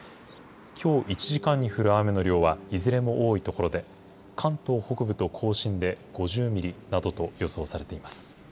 きょう１時間に降る雨の量は、いずれも多い所で、関東北部と甲信で５０ミリなどと予想されています。